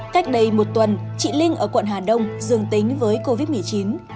cách đây một tuần chị linh ở quận hà đông dương tính với covid một mươi chín